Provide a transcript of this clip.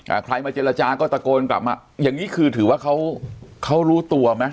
ใครมาเจรจาก็ตะโกนกลับมาอย่างงี้คือถือว่าเขาเขารู้ตัวไหม